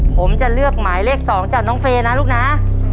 ผมจะเลือกหมายเลข๒จากน้องเฟย์นะลูกนะ